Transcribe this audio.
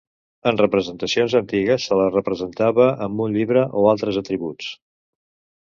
En representacions antigues se la representava amb un llibre o altres atributs.